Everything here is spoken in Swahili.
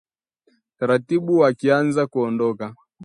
Taratibu wakianza kuondoka